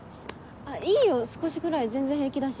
いいよ少しぐらい全然平気だし。